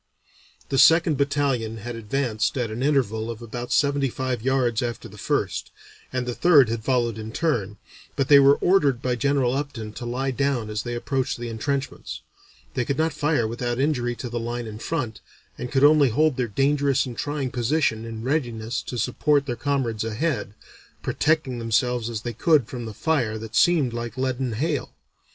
The second battalion had advanced at an interval of about seventy five yards after the first, and the third had followed in turn, but they were ordered by General Upton to lie down as they approached the entrenchments. They could not fire without injury to the line in front, and could only hold their dangerous and trying position in readiness to support their comrades ahead, protecting themselves as they could from the fire that seemed like leaden hail.